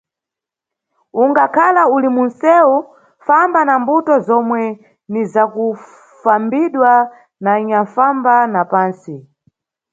Ungakhala uli munʼsewu, famba na mbuto zomwe ni zakufambidwa na anyanʼfamba na pantsi.